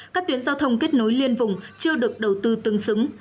các tuyến giao thông kết nối liên vùng chưa được đầu tư tương xứng